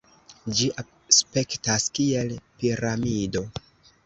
Ĝi aspektas kiel piramido.